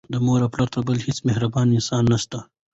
له مور پرته بل هيڅ مهربانه انسان نسته.